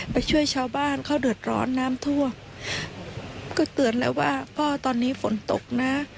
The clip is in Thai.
ไปช่วยชาวบ้านเขาเดือดร้อนน้ำท่วมก็เตือนแล้วว่าพ่อตอนนี้ฝนตกนะ